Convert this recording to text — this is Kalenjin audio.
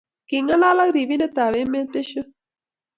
kingalal ago robindetab emet beisho